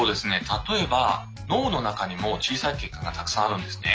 例えば脳の中にも小さい血管がたくさんあるんですね。